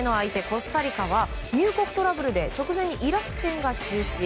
コスタリカは入国トラブルで直前にイラク戦が中止。